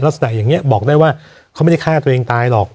อย่างนี้บอกได้ว่าเขาไม่ได้ฆ่าตัวเองตายหรอก